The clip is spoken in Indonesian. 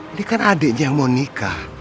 ini kan adiknya yang mau nikah